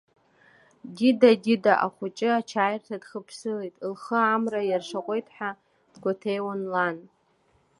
Дида, дида, ахәыҷы ачаирҭа дхыԥсылеит, лхы амра иаршаҟәеит ҳәа, дгәаҭеиуан лан.